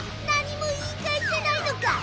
何も言い返せないのか。